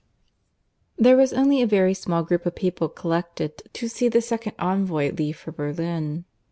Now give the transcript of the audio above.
(III) There was only a very small group of people collected to see the second envoy leave for Berlin.